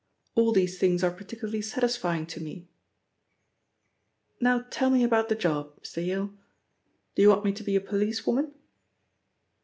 All these things are particularly satisfying to me. Now tell me about the job, Mr. Yale. Do you want me to be a policewoman?"